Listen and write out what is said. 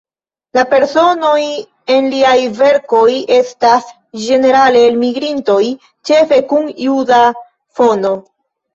La personoj en liaj verkoj estas ĝenerale elmigrintoj, ĉefe kun juda fono.